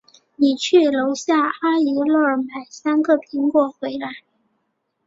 你去楼下阿姨那儿买三个苹果回来。